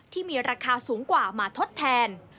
ที่มีราคาสูงกว่ามาทดแทน